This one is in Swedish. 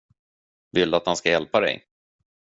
Vill du att han ska hjälpa dig?